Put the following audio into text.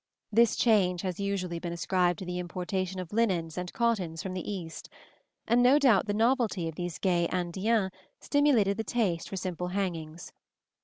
This change has usually been ascribed to the importation of linens and cottons from the East; and no doubt the novelty of these gay indiennes stimulated the taste for simple hangings.